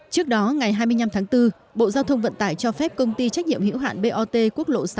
trước đó ngày hai mươi năm tháng bốn bộ giao thông vận tải cho phép công ty trách nhiệm hiểu hạn bot quốc lộ sáu